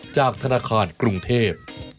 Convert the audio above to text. จากธนาคารกรุงเทพ